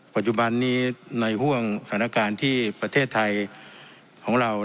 ปัจจุบันนี้ในห่วงสถานการณ์ที่ประเทศไทยของเรา